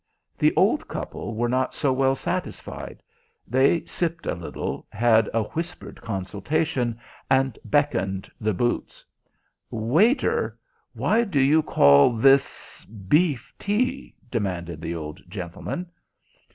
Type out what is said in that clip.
The old couple were not so well satisfied. They sipped a little, had a whispered consultation, and beckoned the boots. "Waiter, why do you call this beef tea?" demanded the old gentleman.